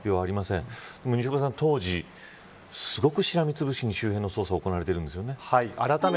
でも西岡さん、当時、すごくしらみつぶしに周辺の捜査が行われているんですよね。